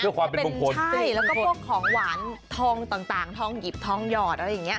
เพื่อความเป็นมงคลใช่แล้วก็พวกของหวานทองต่างทองหยิบทองหยอดอะไรอย่างเงี้